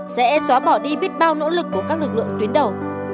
sẽ xóa bỏ đi biết bao nỗ lực của các lực lượng tuyến đầu